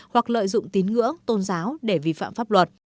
hoặc lợi dụng tín ngưỡng tôn giáo để vi phạm pháp luật